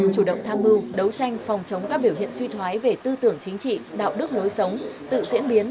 chủ động tham mưu đấu tranh phòng chống các biểu hiện suy thoái về tư tưởng chính trị đạo đức lối sống tự diễn biến